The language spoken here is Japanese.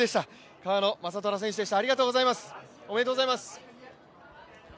川野将虎選手でした。